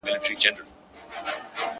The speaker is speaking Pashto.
ما ویلي وه چي ته نه سړی کيږې,